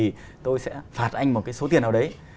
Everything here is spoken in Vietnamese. thì tôi sẽ phạt anh một cái số tiền nào đấy